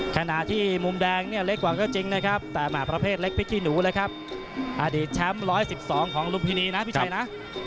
ขณะที่มุมแดงเนี่ยเล็กกว่าก็จริงนะครับแต่แห่ประเภทเล็กพริกขี้หนูเลยครับอดีตแชมป์๑๑๒ของลุมพินีนะพี่ชัยนะ